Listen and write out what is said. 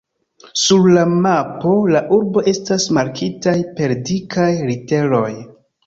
Sur la mapo la urboj estas markitaj per dikaj literoj.